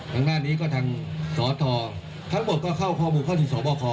ตรงหน้านี้ก็ทางสตรทรทั้งหมดก็เข้าข้อมูลข้อสินสมบัติคอ